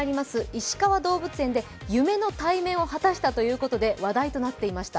いしかわ動物園で夢の対面を果たしたということで話題となっていました。